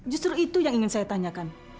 justru itu yang ingin saya tanyakan